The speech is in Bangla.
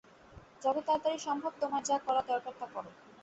যত তাড়াতাড়ি সম্ভব তোমার যা করা দরকার তা করো।